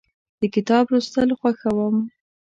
د کتاب لوستل خوښوم.